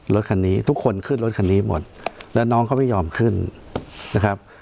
รถคันนี้ทุกคนขึ้นรถคันนี้หมดแล้วน้องเขาไม่ยอมขึ้นนะครับ